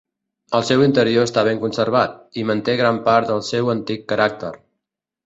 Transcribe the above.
El seu interior està ben conservat, i manté gran part del seu antic caràcter.